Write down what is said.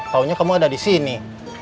taunya kamu ada di sini